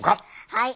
はい。